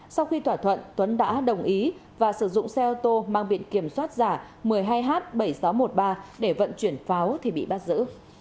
sau khi thỏa thuận tuấn đã đồng ý và sử dụng xe ô tô mang biện kiểm soát giả một mươi hai h bảy nghìn sáu trăm một mươi ba để vận chuyển pháo thì bị bắt giữ